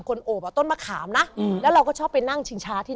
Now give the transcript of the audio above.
คุณพ่อเป็นฆาตราชการอยู่ที่สัตหีพ